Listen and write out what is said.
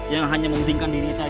yang hanya menguntingkan diri saja